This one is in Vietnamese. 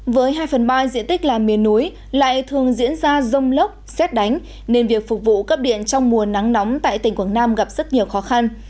với hai phần ba diện tích là miền núi lại thường diễn ra rông lốc xét đánh nên việc phục vụ cấp điện trong mùa nắng nóng tại tỉnh quảng nam gặp rất nhiều khó khăn